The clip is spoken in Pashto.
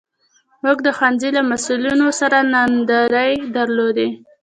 موږ د ښوونځي له مسوولانو سره ناندرۍ درلودې.